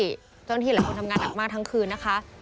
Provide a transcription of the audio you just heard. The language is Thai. เจ้าหน้าที่หลายคนทำงานหนักมากทั้งคืนนะคะ